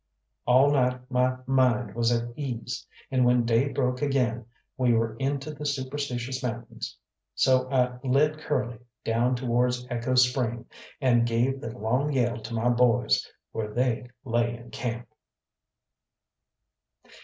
_" All night my mind was at ease, and when day broke again we were into the Superstitious Mountains. So I led Curly down towards Echo Spring, and gave the long yell to my boys where they lay in camp.